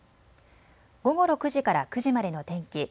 午後６時から９時までの天気。